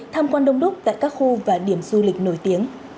tham quan đông đúc tại các khu và điểm du lịch nổi tiếng